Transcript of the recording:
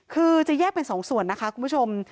คือจะแยกเป็นสองส่วนนะคะคุณผู้ชม